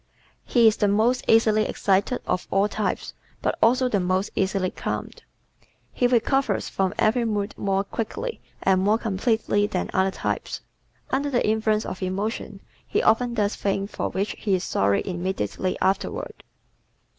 He is the most easily excited of all types but also the most easily calmed. He recovers from every mood more quickly and more completely than other types. Under the influence of emotion he often does things for which he is sorry immediately afterward.